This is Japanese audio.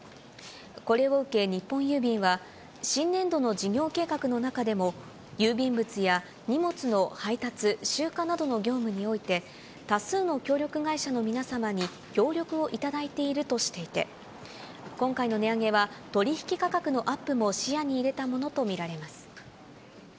これを受け日本郵便は、新年度の事業計画の中でも、郵便物や荷物の配達・集荷などの業務において、多数の協力会社の皆様に協力をいただいているとしていて、今回の値上げは取り引き価格のアップも視野に入れたものと見られます。